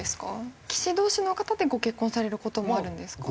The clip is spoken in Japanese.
棋士同士の方でご結婚される事もあるんですか？